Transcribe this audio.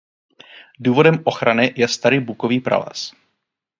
Důvodem ochrany je starý bukový prales.